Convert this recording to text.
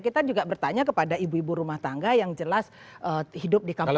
kita juga bertanya kepada ibu ibu rumah tangga yang jelas hidup di kampung